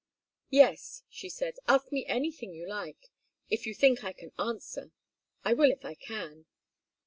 "Yes," she said. "Ask me anything you like, if you think I can answer. I will if I can."